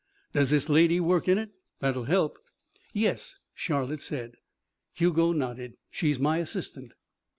Does this lady work in it? That'll help." "Yes," Charlotte said. Hugo nodded. "She's my assistant."